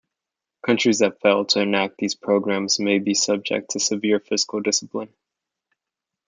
Countries that fail to enact these programmes may be subject to severe fiscal discipline.